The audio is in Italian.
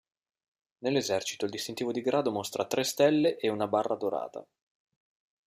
Nell'Esercito il distintivo di grado mostra "tre stelle e una barra dorata".